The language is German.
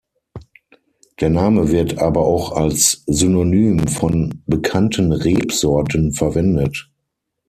Der Name wird aber auch als Synonym von bekannten Rebsorten verwendet.